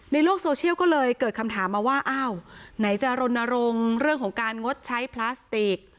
ในโลกโซเชียลก็เลยเกิดคำถามมาว่าอ้าวไหนจะรณรงค์เรื่องของการงดใช้พลาสติก